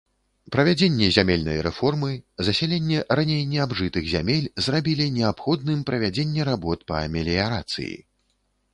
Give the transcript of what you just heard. Правядзенне зямельнай рэформы, засяленне раней неабжытых зямель зрабілі неабходным правядзенне работ па меліярацыі.